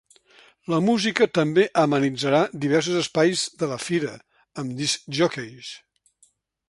La música també amenitzarà diversos espais de la fira, amb discjòqueis.